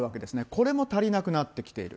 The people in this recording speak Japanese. これも足りなくなってきている。